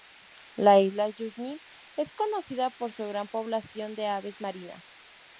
La isla Yuzhny es conocida por su gran población de aves marinas.